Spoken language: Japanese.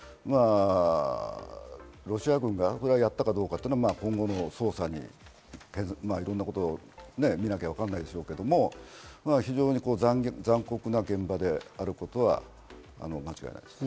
ロシア軍がやったかどうかは今後の捜査に、いろんなこと見なきゃ、わからないですけど非常に残酷な現場であることは間違いないです。